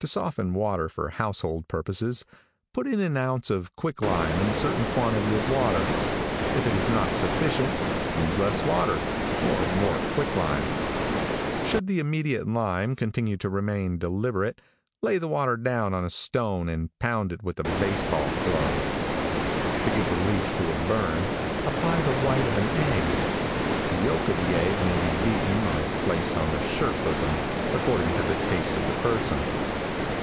To soften water for household purposes, put in an ounce of quicklime in a certain quantity of water. If it is not sufficient, use less water or more quicklime. Should the immediate lime continue to remain deliberate, lay the water down on a stone and pound it with a base ball club. To give relief to a burn, apply the white of an egg. The yolk of the egg may be eaten or placed on the shirt bosom, according to the taste of the person.